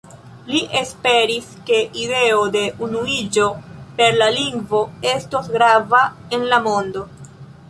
Li esperis, ke ideo de unuiĝo per la lingvo estos grava en la mondo.